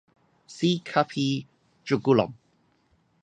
See "Carpe Jugulum".